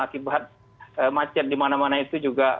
akibat macet dimana mana itu